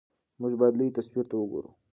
موږ باید لوی تصویر ته وګورو.